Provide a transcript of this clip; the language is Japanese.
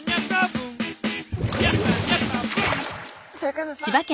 シャーク香音さま